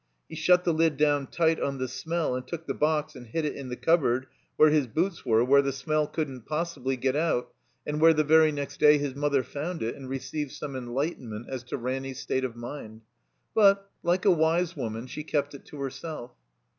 He shut the Kd down tight on the smell and took the box and hid it in the cupboard where his boots were, where the smell couldn't possibly get out, and where the very next day his mother found it and received some enlighten ment as to Ranny's state of mind. But, like a wise woman, she kept it to herself.